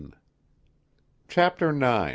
CHAPTER IX.